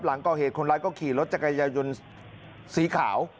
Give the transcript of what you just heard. หลังก่อเหตุคนร้ายก็ขี่รถจักรยายนต์สีขาว